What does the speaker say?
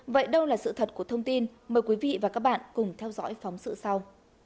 vậy đâu là sự thật của thông tin mời quý vị và các bạn cùng theo dõi phóng sự sau